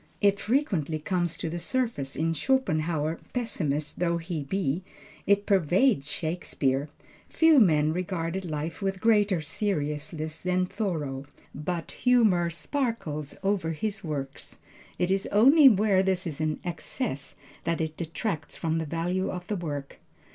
It frequently comes to the surface in Schopenhauer pessimist though he be; it pervades Shakespeare. Few men regarded life with greater seriousness than Thoreau, but humor sparkles all over his works. It is only where this is in excess that it detracts from the value of the work.